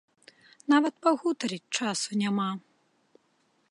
Нават пагутарыць часу няма.